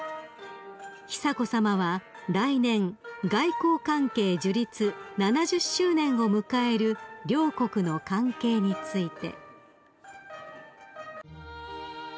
［久子さまは来年外交関係樹立７０周年を迎える両国の関係について］